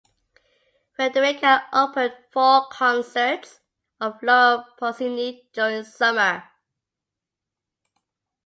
Federica opened four concerts of Laura Pausini during summer.